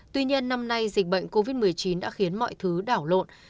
tuy nhiên năm nay dịch bệnh covid một mươi chín đã khiến mọi thứ đảo lộn